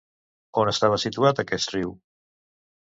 On estava situat aquest riu?